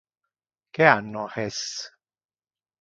Que anno es?